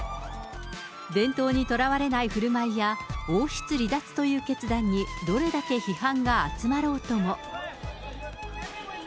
伝統にとらわれないふるまいや、王室離脱という決断にどれだけ批判が集まろうとも。